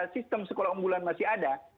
sistem sekolah unggulan masih ada